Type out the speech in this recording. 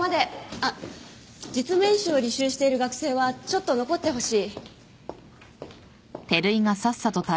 あっ実務演習を履修している学生はちょっと残ってほしい。